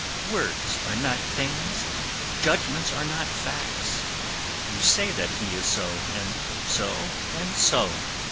"Words are not things; judgments are not facts. You say that he is so, and so and so.